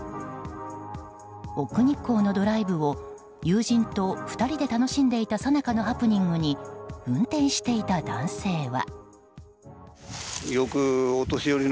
奥日光のドライブを友人と２人で楽しんでいたさなかのハプニングに運転していた男性は。